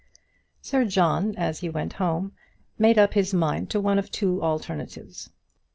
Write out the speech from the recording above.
Sir John, as he went home, made up his mind to one of two alternatives.